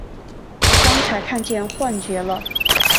刚才看见幻觉了！